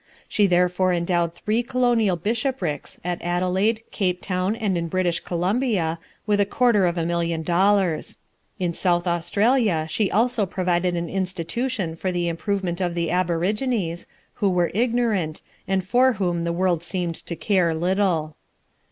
She therefore endowed three colonial bishoprics, at Adelaide, Cape Town, and in British Columbia, with a quarter of a million dollars. In South Australia she also provided an institution for the improvement of the aborigines, who were ignorant, and for whom the world seemed to care little.